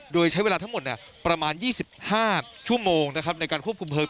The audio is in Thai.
โดยใช้เวลาทั้งหมดประมาณ๒๕ชั่วโมงนะครับในการควบคุมเพลิง